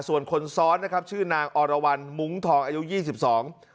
ส่วนคนซ้อนนะครับชื่อนางอรวรรณมุ้งทองอายุยี่สิบสอง